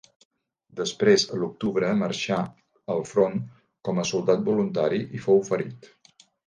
Després, a l'octubre marxà al front com a soldat voluntari i fou ferit.